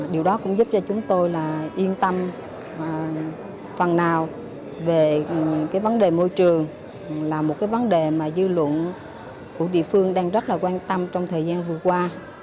điều đó cũng giúp cho chúng tôi yên tâm phần nào về vấn đề môi trường là một vấn đề mà dư luận của địa phương đang rất quan tâm trong thời gian vừa qua